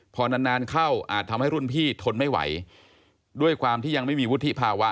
พอนานนานเข้าอาจทำให้รุ่นพี่ทนไม่ไหวด้วยความที่ยังไม่มีวุฒิภาวะ